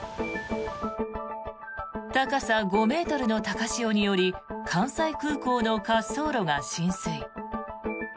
高さ５ｍの高潮により関西空港の滑走路が浸水。